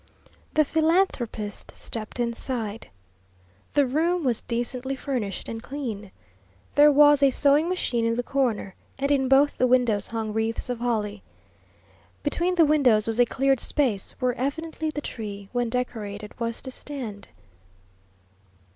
The philanthropist stepped inside. The room was decently furnished and clean. There was a sewing machine in the corner, and in both the windows hung wreaths of holly. Between the windows was a cleared space, where evidently the tree, when decorated, was to stand.